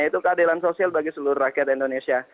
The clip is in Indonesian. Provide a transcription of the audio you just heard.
dan ini adalah kehadiran sosial bagi seluruh rakyat indonesia